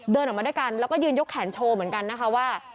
เดินออกมาด้วยกันแล้วก็ยืนยกแขนโชว์เหมือนกันนะคะว่า